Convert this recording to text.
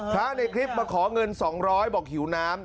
พระในคลิปมาขอเงิน๒๐๐บอกหิวน้ำ